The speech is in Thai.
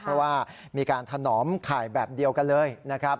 เพราะว่ามีการถนอมข่ายแบบเดียวกันเลยนะครับ